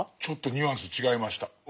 ちょっとニュアンス違いました。